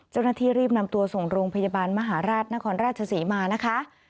เจ้าหน้าที่รีบนำตัวส่งโรงพยาบาลมหาราชนครราชศรีมานะคะ